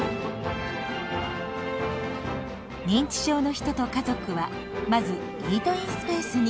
認知症の人と家族はまずイートインスペースに。